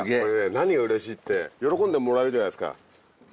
何がうれしいって喜んでもらえるじゃないですか。